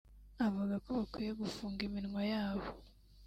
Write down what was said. avuga ko bakwiye gufunga iminwa yabo